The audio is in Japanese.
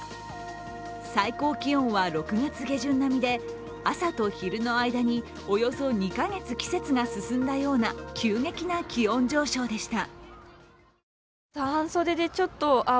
最高気温は６月下旬並みで、朝と昼の間におよそ２か月、季節が進んだような急激な気温上昇でした。